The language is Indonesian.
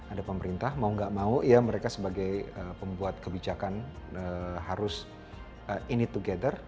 ada pemerintah mau gak mau ya mereka sebagai pembuat kebijakan harus in i together